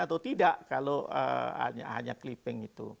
atau tidak kalau hanya clipping itu